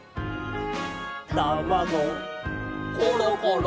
「たまごころころ」